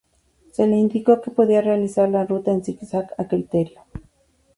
Se le indicó que podía realizar la ruta en ZigZag a criterio.